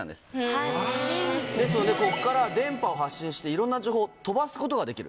ですのでここから電波を発信していろんな情報を飛ばすことができる。